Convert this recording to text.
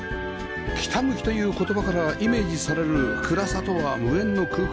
北向きという言葉からイメージされる暗さとは無縁の空間